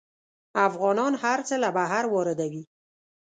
افغانان هر څه له بهر واردوي.